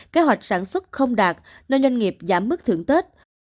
không đạt nơi doanh nghiệp giảm mức thưởng tết